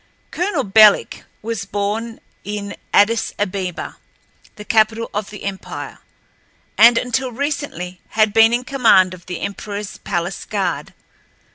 Colonel Belik was born in Adis Abeba, the capital of the empire, and until recently had been in command of the emperorl's palace guard.